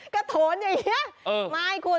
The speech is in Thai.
กระโถนอย่างเงี้ย